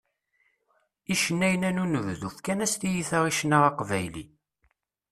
Icennayen-a n unebdu fkan-as tiyita i ccna aqbayli.